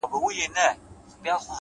پرمختګ د عادتونو په سمون ولاړ دی.!